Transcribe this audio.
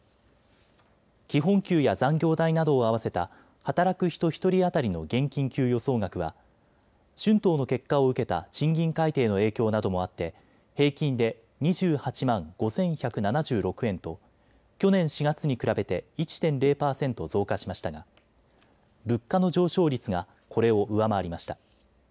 基本給や残業代などを合わせた働く人１人当たりの現金給与総額は春闘の結果を受けた賃金改定の影響などもあって平均で２８万５１７６円と去年４月に比べて１．０％増加しましたが物価の上昇率がこれを上回りました。